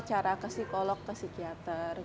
cara ke psikolog ke psikiater